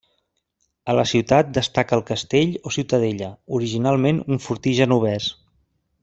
A la ciutat destaca el castell o ciutadella, originalment un fortí genovès.